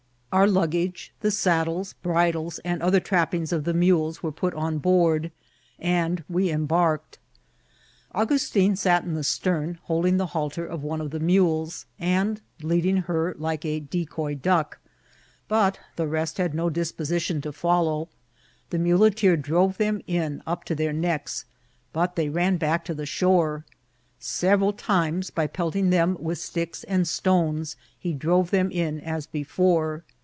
Our luggage, the saddles, bridles, and other trappings of the mules, were put on board, and we embarked. Augustin sat in the stem, holding the halter of one of the mules, and leading her 54 INCIDSHT8 OP TRATBL. like a decoy dock ; but the rest had no disposition to follow. The muleteer drove them in up to their necks, but they ran back to the shore. Several times, by pelt ing them with sticks and stones, he drove them in as before.